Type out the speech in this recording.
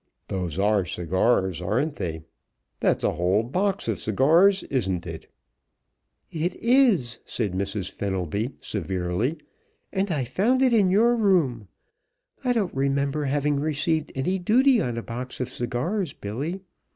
"Those are cigars, aren't they? That's a whole box of cigars, isn't it?" "It is," said Mrs. Fenelby, severely, "and I found it in your room. I don't remember having received any duty on a box of cigars, Billy.